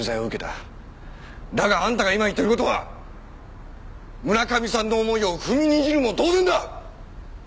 だがあんたが今言ってる事は村上さんの思いを踏みにじるも同然だ！